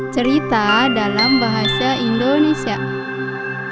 cerita dalam bahasa indonesia